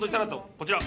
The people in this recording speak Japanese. こちら！